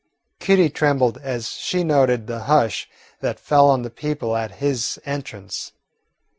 Kitty trembled as she noted the hush that fell on the people at his entrance.